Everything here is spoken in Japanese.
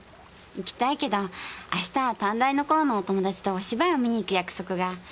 行きたいけど明日は短大の頃のお友達とお芝居を見に行く約束が。